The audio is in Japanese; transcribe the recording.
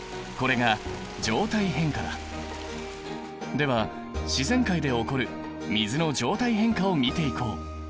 では自然界で起こる水の状態変化を見ていこう！